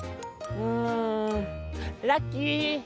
うんラッキー！」。